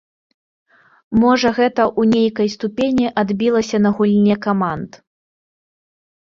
Можа гэта ў нейкай ступені адбілася на гульне каманд.